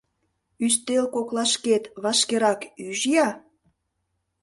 Ӱстел коклашкет вашкерак ӱж-я!